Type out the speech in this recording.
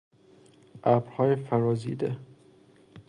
ابرهای فرازیده